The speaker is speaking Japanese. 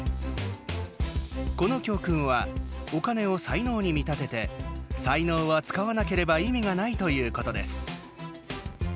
この教訓はお金を才能に見立てて「才能は使わなければ意味がない」ということです。